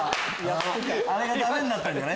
あれがダメになったんじゃない？